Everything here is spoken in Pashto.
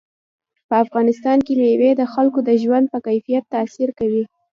په افغانستان کې مېوې د خلکو د ژوند په کیفیت تاثیر کوي.